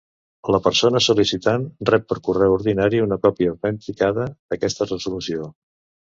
La persona sol·licitant rep per correu ordinari una còpia autenticada d'aquesta resolució.